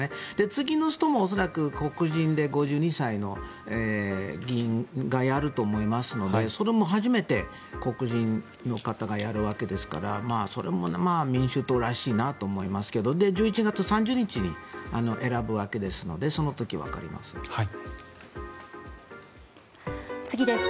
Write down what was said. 次の人も恐らく黒人で５２歳の議員がやると思いますのでそれも初めて黒人の方がやるわけですからそれも民主党らしいなと思いますけど１１月３０日に選ぶわけですのでその時わかります。